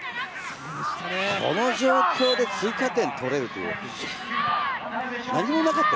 この状況で追加点取れるって。